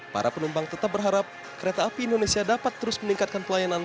para penumpang tetap berharap kereta api indonesia dapat terus meningkatkan pelayanan